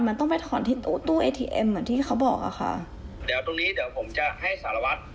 มันต้องไปถอนที่ตู้ตู้เอทีเอ็มเหมือนที่เขาบอกอะค่ะเดี๋ยวตรงนี้เดี๋ยวผมจะให้สารวัตร